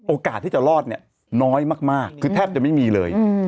โอกาสที่จะรอดเนี่ยน้อยมากคือแทบจะไม่มีเลย